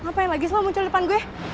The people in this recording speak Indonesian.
ngapain lagi selalu muncul depan gue